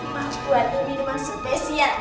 mak buat minuman spesial